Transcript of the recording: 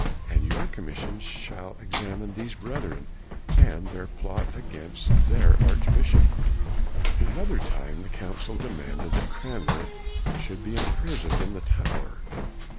And your commission shall examine these 86 CRANMER brethren and their plot against their arch bishop." Another time, the Council demanded that Cranmer should be imprisoned in the Tower.